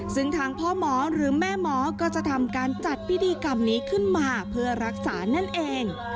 ซึ่งทางพ่อหมอหรือแม่หมอก็จะทำการจัดพิธีกรรมนี้ขึ้นมาเพื่อรักษานั่นเอง